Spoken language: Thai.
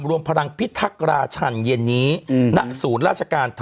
รวมพรังพิทักราชันเยนนี้อืมหน้าศูนย์ราชการถ